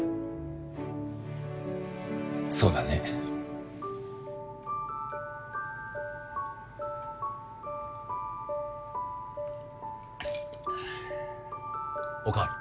そうだね。おかわり。